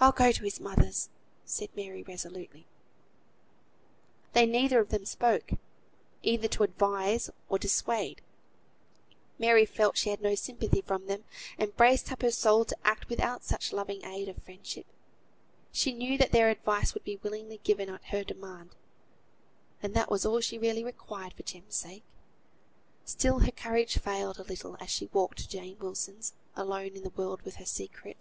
"I'll go to his mother's," said Mary, resolutely. They neither of them spoke, either to advise or dissuade. Mary felt she had no sympathy from them, and braced up her soul to act without such loving aid of friendship. She knew that their advice would be willingly given at her demand, and that was all she really required for Jem's sake. Still her courage failed a little as she walked to Jane Wilson's, alone in the world with her secret.